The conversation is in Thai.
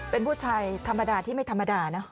เป็นผู้ชายธรรมดาที่ไม่ธรรมดาเนอะ